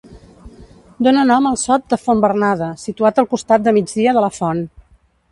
Dóna nom al Sot de Font Bernada, situat al costat de migdia de la font.